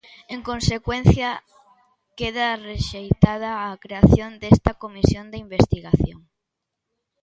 En consecuencia, queda rexeitada a creación desta comisión de investigación.